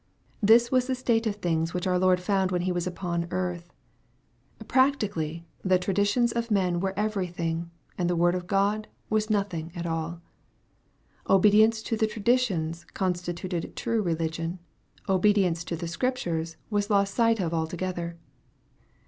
This was the state of things which our Lord found when he was upon earth. Practically, the traditions of man weie everything, and the Word of God was nothing at all. Obedience to the traditions constituted true religion. Obedience to the Scriptures was lost sight of altogether.